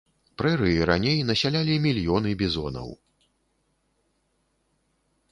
Прэрыі раней насялялі мільёны бізонаў.